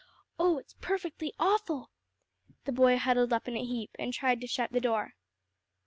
Oh, it's perfectly awful!" The boy huddled up in a heap, and tried to shut the door.